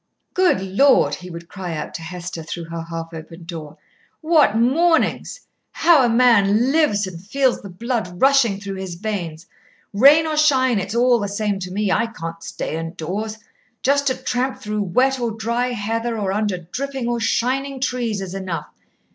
"Good Lord!" he would cry out to Hester through her half opened door, "what mornings! how a man lives and feels the blood rushing through his veins! Rain or shine, it's all the same to me. I can't stay indoors. Just to tramp through wet or dry heather, or under dripping or shining trees, is enough.